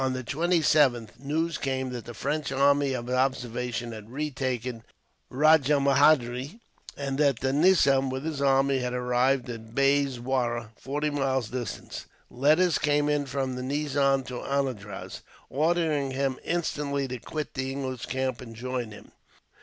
On the 27th, news came that the French army of observation had retaken Rajahmahendri; and that the nizam, with his army, had arrived at Baizwara, forty miles distant. Letters came in, from the nizam to Anandraz, ordering him instantly to quit the English camp, and join him.